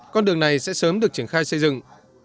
con đường này sẽ sớm được triển khai xây dựng